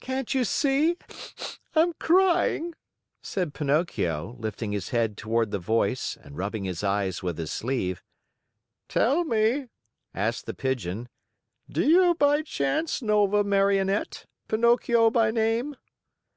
"Can't you see? I'm crying," cried Pinocchio, lifting his head toward the voice and rubbing his eyes with his sleeve. "Tell me," asked the Pigeon, "do you by chance know of a Marionette, Pinocchio by name?"